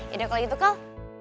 yaudah kalo gitu kal